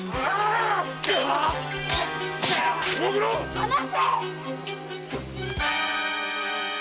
離せ！